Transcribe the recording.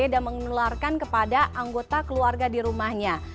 dan mengeluarkan kepada anggota keluarga di rumahnya